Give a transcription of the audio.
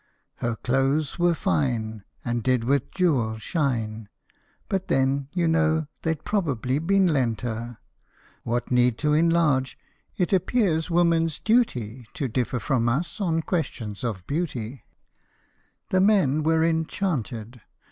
Her clothes were fine, And did with jewels shine, But then, you know, they'd probably been lent her." What need to enlarge ? It appears woman's duty To differ from us upon questions of beauty. 63 CINDERELLA. The men were enchanted.